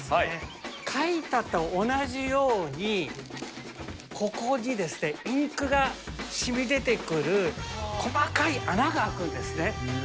書いたと同じように、ここにインクがしみ出てくる細かい穴が空くんですね。